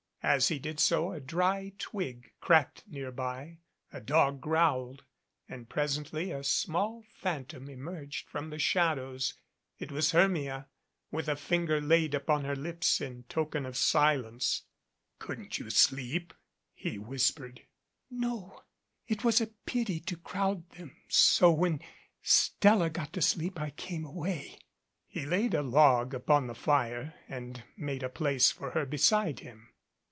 As he did so a dry twig cracked nearby, a dog growled, and presently a small phantom emerged from the shadows. It was Hermia, with a finger laid upon her lips in token of silence. 149 MADCAP "Couldn't you sleep ?" he whispered. "No. It was a pity to crowd them, so when Stella got to sleep I came away." He laid a log upon the fire, and made a place for her beside him.